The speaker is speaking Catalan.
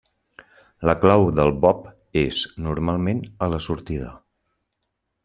La clau del bob és, normalment, a la sortida.